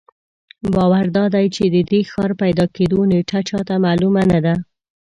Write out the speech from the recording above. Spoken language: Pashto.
باور دادی چې د دې ښار پیدا کېدو نېټه چا ته معلومه نه ده.